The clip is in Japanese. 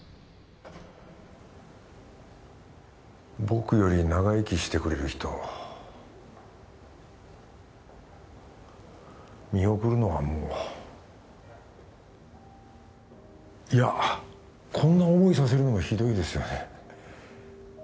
僕より長生きしてくれる人見送るのはもういやこんな思いさせるのもひどいですよね